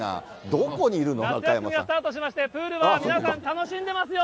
どこに夏休みがスタートしまして、プールは皆さん、楽しんでますよ。